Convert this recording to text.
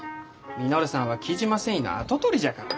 稔さんは雉真繊維の跡取りじゃから。